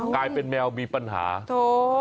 กลายเป็นแมวมีปัญหาโถ